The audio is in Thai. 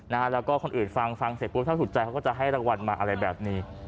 แล้วก็คนอื่นฟังฟังเสร็จปุ๊บถ้าสุดใจเขาก็จะให้รางวัลมาอะไรแบบนี้